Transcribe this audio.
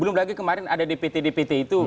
belum lagi kemarin ada dpt dpt itu